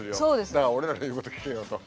だから俺らの言うこと聞けよと。